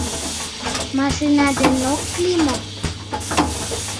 Машина дене ок лий мо?